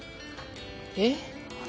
えっ？